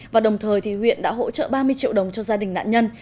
và đồng thời huyện đã hỗ trợ ba mươi triệu đồng cho gia đình nạn nhân